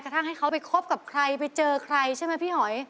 ทั้งให้เขาไปคบกับใครไปเจอใครใช่ไหมพี่หอย